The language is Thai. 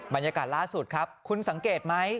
บรรยากาศล่าสุดครับคุณสังเกตไหม